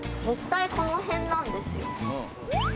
絶対この辺なんですよね